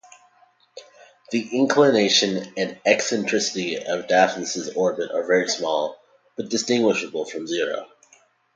The inclination and eccentricity of Daphnis's orbit are very small, but distinguishable from zero.